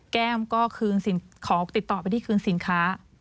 แก้มก็คืนของติดต่อไปที่คืนสินค้า